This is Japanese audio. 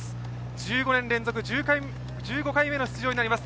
１５年連続１５回目の出場になります。